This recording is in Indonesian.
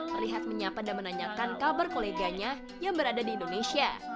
terlihat menyapa dan menanyakan kabar koleganya yang berada di indonesia